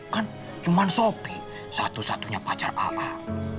kan cuma sopi satu satunya pacar amal